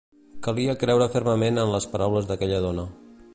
Calia creure fermament en les paraules d’aquella dona.